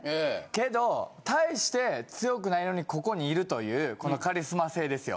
けど大して強くないのにここにいるというこのカリスマ性ですよ。